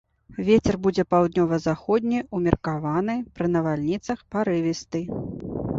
Вецер будзе паўднёва-заходні, умеркаваны, пры навальніцах парывісты.